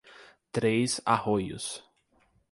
Três Arroios